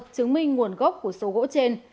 chứng minh nguồn gốc của số gỗ trên